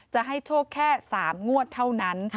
จะให้โชคแค่๓งวดเท่านั้น